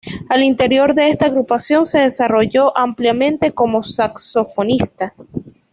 Al interior de esta agrupación se desarrolló ampliamente como saxofonista.